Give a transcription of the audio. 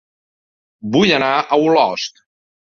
Vull anar a Olost